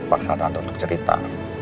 saya paksa tante untuk cerita